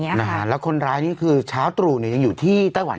นะฮะแล้วคนร้ายนี่คือเช้าตรู่เนี่ยยังอยู่ที่ไต้หวัน